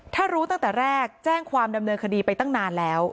ถ้ารู้ตั้งแต่แรกแจ้งความดำเนินคดีไปตั้งนานแล้ว